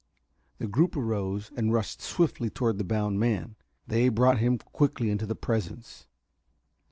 The group arose and rushed swiftly toward the bound man. They brought him quickly into the presence.